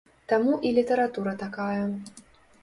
Таму і літаратура такая.